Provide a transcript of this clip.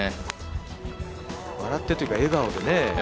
笑ってというか、笑顔でね。